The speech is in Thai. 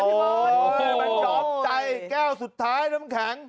มันจอบใจแก้วสุดท้ายน้ำแข็ง